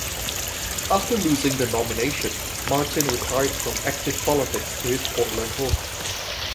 After losing the nomination, Martin retired from active politics to his Portland home.